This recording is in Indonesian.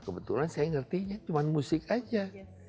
kebetulan saya ngertinya cuma musik aja